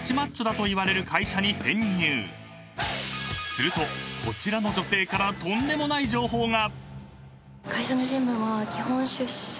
［するとこちらの女性からとんでもない情報が］